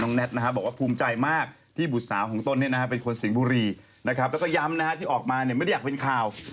ดังนั้นบุตสาวของต้นเป็นคนสิงห์บูริแล้วก็ย้ำที่ออกมาไม่ได้เป็นข่าว